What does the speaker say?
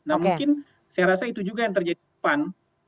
nah mungkin saya rasa itu juga yang terjadi di depan